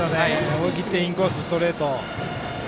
思い切ってインコースのストレート。